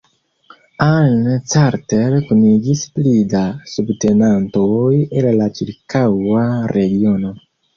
Ann Carter kunigis pli da subtenantoj el la ĉirkaŭa regiono.